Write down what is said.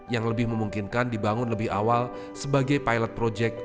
yang lebih memungkinkan dibangun lebih awal sebagai pilot project